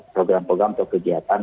program program atau kegiatan